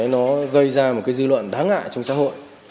nó gây ra một cái dư luận đáng ngại trong xã hội